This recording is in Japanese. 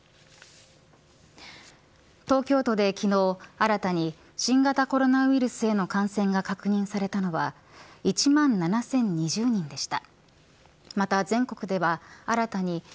東京都で昨日新たに新型コロナウイルスへの感染が確認されたのは１万７０２０人でした。